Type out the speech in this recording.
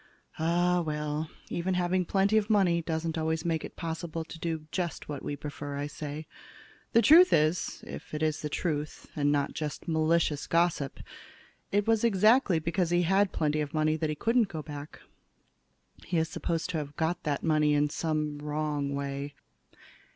"Ah, well, even having plenty of money doesn't always make it possible to do just what we prefer," I say. "The truth is, if it is the truth, and not just malicious gossip, it was exactly because he had plenty of money that he couldn't go back. He is supposed to have got that money in some wrong way.